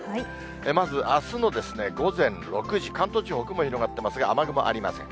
まずあすの午前６時、関東地方、雲広がってますが、雨雲ありません。